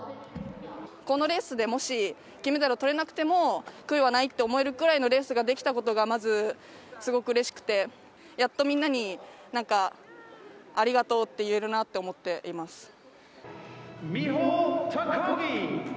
このレースでもし金メダルをとれなくても、悔いはないって思えるくらいのレースができたことがまずすごくうれしくて、やっとみんなになんか、ありがとうって言えるなって思っています。